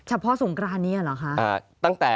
เฉพาะสงกรานนี้หรอคะ